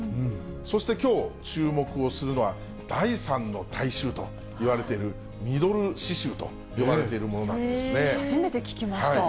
そしてきょう、注目をするのは第三の体臭といわれてるミドル脂臭と呼ばれている初めて聞きました。